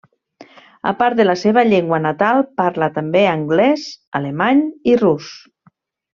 A part de la seva llengua natal, parla també anglès, alemany i rus.